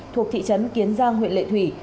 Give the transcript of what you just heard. thuộc thị trấn kiến giang huyện lệ thủy